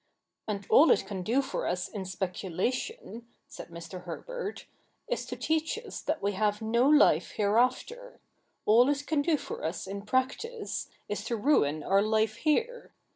' And all it can do for us in speculation,' said Mr, Herbert, ' is to teach us that we have no life hereafter : all it can do for us in practice, is to ruin our life here.